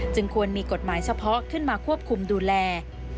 ควรมีกฎหมายเฉพาะขึ้นมาควบคุมดูแล